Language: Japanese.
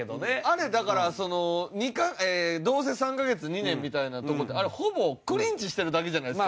あれだからその同棲３カ月２年みたいなとこってあれほぼクリンチしてるだけじゃないですか。